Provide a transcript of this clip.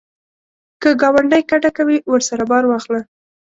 که ګاونډی کډه کوي، ورسره بار واخله